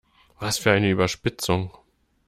Was für eine Überspitzung!